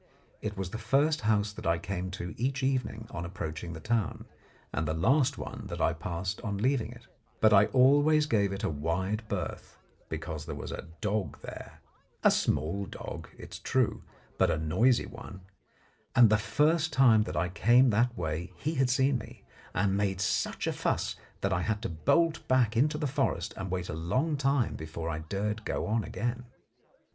It was the first house that I came to each evening on approaching the town, and the last one that I passed on leaving it; but I always gave it a wide berth, because there was a dog there a small dog, it is true, but a noisy one and the first time that I came that way he had seen me, and made such a fuss that I had to bolt back into the forest and wait a long time before I dared to go on again.